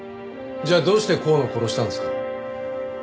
じゃあどうして香野を殺したんですか？